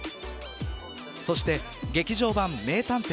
そして劇場版名探偵